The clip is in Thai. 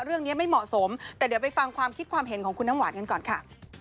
เรื่องนี้ไม่เหมาะสมแต่เดี๋ยวไปฟังความคิดความเห็นของคุณน้ำหวานกันก่อนค่ะ